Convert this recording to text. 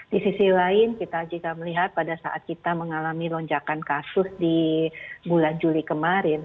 di sisi lain kita juga melihat pada saat kita mengalami lonjakan kasus di bulan juli kemarin